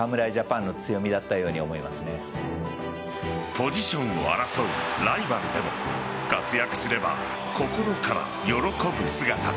ポジションを争うライバルでも活躍すれば、心から喜ぶ姿。